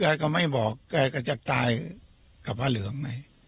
แต่ไม่บอกแกก็จะตายกับพระเหลวง